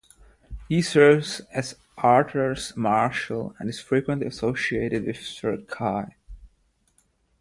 He serves as Arthur's marshal and is frequently associated with Sir Kay.